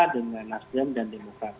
dengan nasdem dan demokrat